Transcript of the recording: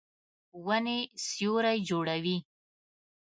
ونې سیوری جوړوي.